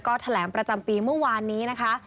ก็แถลงประจำปีเมื่อวานนี้นะคะ